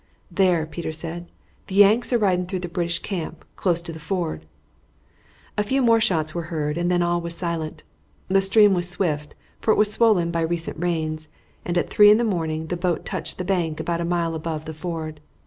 "There," Peter said, "the Yanks are riding through the British camp, close to the ford." A few more shots were heard, and then all was silent. The stream was swift, for it was swollen by recent rains, and at three in the morning the boat touched the bank about a mile above the ford.